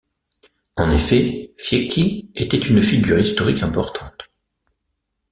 En effet, Fieschi était une figure historique importante.